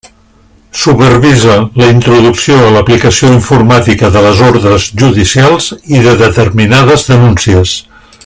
Supervisa la introducció a l'aplicació informàtica de les ordres judicials i de determinades denúncies.